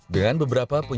dengan beberapa penyesuaian